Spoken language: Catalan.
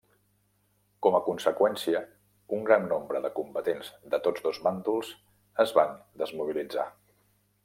Com a conseqüència un gran nombre de combatents de tots dos bàndols es van desmobilitzar.